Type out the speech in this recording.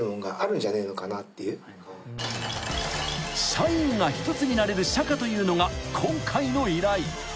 ［社員が一つになれる社歌というのが今回の依頼］